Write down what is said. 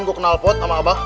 aku kenal pot sama abah